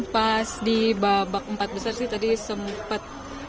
pas di babak empat besar sih tadi sempat